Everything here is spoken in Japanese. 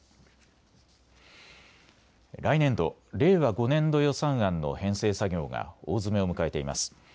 来年度・令和５年度予算案の編成作業が大詰めを迎えています。